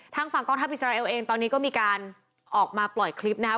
ทางฝั่งกองทัพอิสราเอลเองตอนนี้ก็มีการออกมาปล่อยคลิปนะครับ